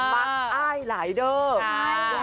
ปั๊กอายหลายเดิม